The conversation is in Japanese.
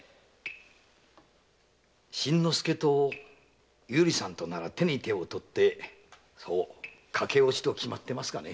新之助と百合さんとなら手に手を取って駆け落ちと決まってますがね。